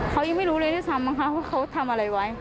เขายังไม่รู้เลยที่สำคัญค่ะเพราะเขาทำอะไรไว้